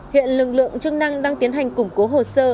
hiện lực lượng chức năng đang tiến hành củng cố hồ sơ